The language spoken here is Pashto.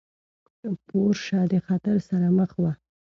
پورشه د خطر سره مخ وه.